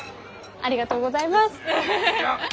ありがとうございます！